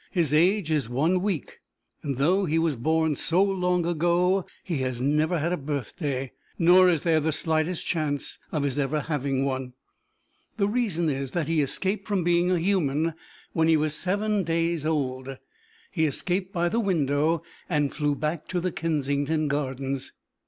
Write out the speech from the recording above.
His age is one week, and though he was born so long ago he has never had a birthday, nor is there the slightest chance of his ever having one. The reason is that he escaped from being a human when he was seven days' old; he escaped by the window and flew back to the Kensington Gardens.